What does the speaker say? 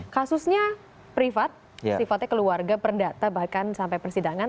kasusnya privat sifatnya keluarga perdata bahkan sampai persidangan